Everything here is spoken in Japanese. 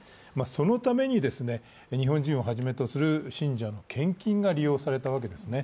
そのために日本人をはじめとする信者の献金が利用されたわけですね。